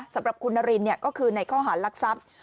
สำหรับคุณนารินก็คือในข้อหารลักทรัพย์